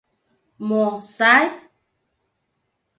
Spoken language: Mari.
— Мо сай?